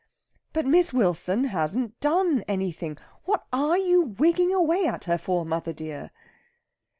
"But Miss Wilson hasn't done anything! What are you wigging away at her for, mother dear?"